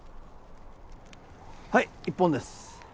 はい１本です